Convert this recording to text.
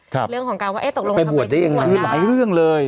ครับเรื่องของการว่าเอ๊ะตกลงไปบวชได้ยังไงไปถึงหลายเรื่องเลย